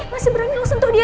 masih berani lo sentuh dia